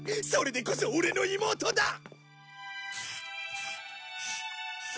それでこそオレの妹だ！